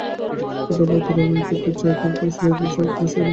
নতুবা অদূরে মৃত্যুর ছায়াতে অচিরে এ দেশ ও জাতিটা মিশে যাবে।